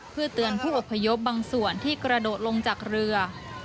เพื่อเตือนผู้อพยพบางส่วนที่กระโดดลงจากเรือ